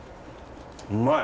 うまい！